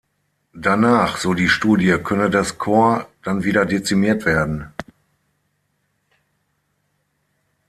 Danach, so die Studie, könne das Korps dann wieder dezimiert werden.